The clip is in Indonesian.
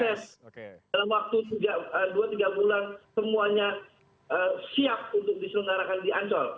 bagaimana kalau formula e ini penyelenggaranya sukses dalam waktu dua tiga bulan semuanya siap untuk diselenggarakan di ancol